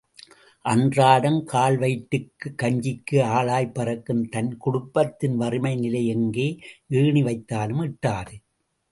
அன்றாடம் கால்வயிற்றுக் கஞ்சிக்கு ஆளாய் பறக்கும் தன் குடும்பத்தின் வறுமை நிலை எங்கே? ஏணி வைத்தாலும் எட்டாது.